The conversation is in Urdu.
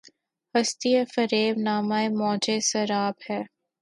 ہستی‘ فریب نامۂ موجِ سراب ہے